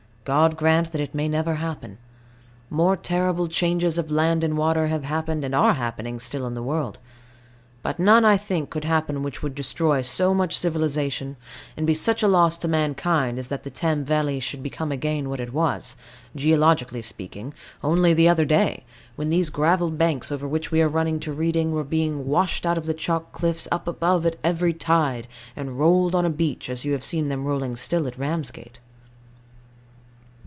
God grant that it may never happen. More terrible changes of land and water have happened, and are happening still in the world: but none, I think, could happen which would destroy so much civilisation and be such a loss to mankind, as that the Thames valley should become again what it was, geologically speaking, only the other day, when these gravel banks, over which we are running to Reading, were being washed out of the chalk cliffs up above at every tide, and rolled on a beach, as you have seen them rolling still at Ramsgate.